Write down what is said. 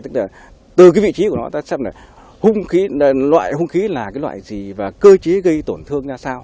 từ cái vị trí của nó ta xem là hung khí là cái loại gì và cơ chế gây tổn thương ra sao